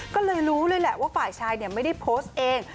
ก็เลยรู้เลยแหละว่าฝ่ายชายไม่ได้โพสต์เอง